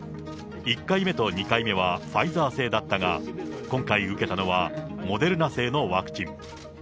１回目と２回目はファイザー製だったが、今回受けたのは、モデルナ製のワクチン。